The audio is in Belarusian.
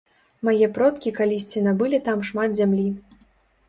Мае продкі калісьці набылі там шмат зямлі.